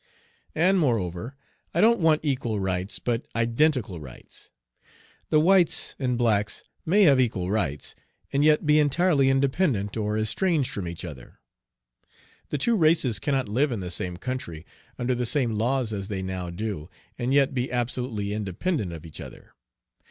And moreover, I don't want equal rights, but identical rights. The whites and blacks may have equal rights, and yet be entirely independent, or estranged from each other. The two races cannot live in the same country, under the same laws as they now do, and yet be absolutely independent of each other.